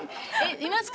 いますか？